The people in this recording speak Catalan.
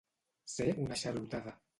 Ser una xarlotada.